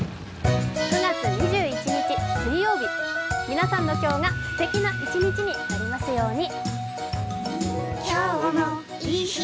９月２１日水曜日、皆さんの今日がすてきな一日になりますように。